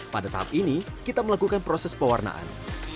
pada tahap ini kita melakukan proses pewarnaan